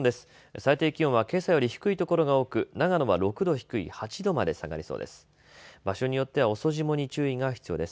最低気温はけさより低いところが多く長野は６度低い８度まで下がりそうです。